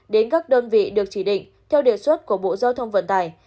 đến các đơn vị được chỉ định theo đề xuất của bộ giao thông vận tải